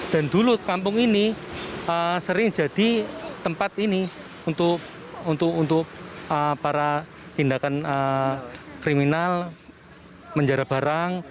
dan dulu kampung ini sering jadi tempat ini untuk para tindakan kriminal menjara barang